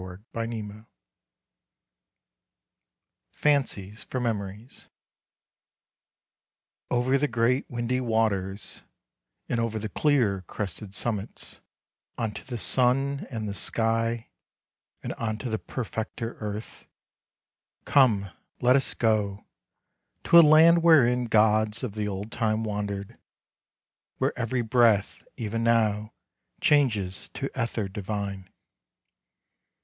LONGFELLOW. FANCIES FOR MEMORIES Over the great windy waters, and over the clear crested summits, Unto the sun and the sky, and unto the perfecter earth, Come, let us go, to a land wherein gods of the old time wandered, Where every breath even now changes to ether divine.